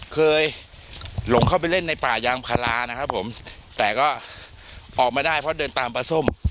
เคยหลงเข้าไปเล่นในป่ายางพารานะครับผมแต่ก็ออกมาได้เพราะเดินตามปลาส้ม